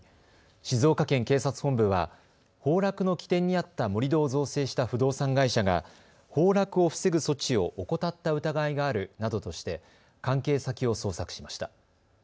静岡県警察本部は崩落の起点にあった盛り土を造成した不動産会社が崩落を防ぐ措置を怠った疑いがあるなどとして関係先を捜索しました。